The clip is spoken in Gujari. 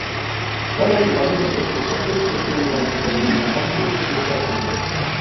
پہلاں نورعالم نے رِچھ پو سَٹ کری رِچھ نے نورعالم کو پیر منہ ما نَپ لیو اس نے پیر چھُڑکایو